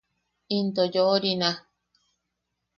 Into yoʼorina.